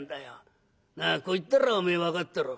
なあこう言ったらおめえ分かったろ？」。